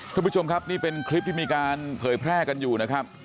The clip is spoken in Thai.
คุณผู้ชมครับนี่เป็นคลิปที่มีการเผยแพร่กันอยู่นะครับ